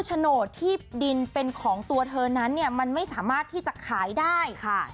โฉนดที่ดินเป็นของตัวเธอนั้นเนี่ยมันไม่สามารถที่จะขายได้ค่ะ